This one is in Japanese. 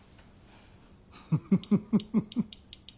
フフフフ。